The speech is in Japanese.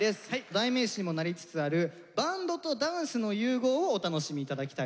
代名詞にもなりつつあるバンドとダンスの融合をお楽しみ頂きたいと思います。